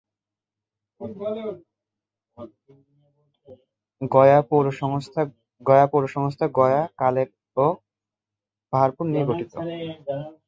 গয়া পৌর সংস্থা গয়া, কালের ও পাহাড়পুর নিয়ে গঠিত।